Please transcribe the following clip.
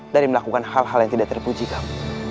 dari melakukan hal hal yang tidak terpuji kamu